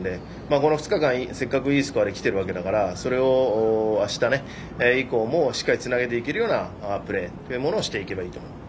この２日間、せっかくいいスコアできているわけだからそれをあした以降もしっかりつないでいけるようなプレーというものをしていけばいいと思う。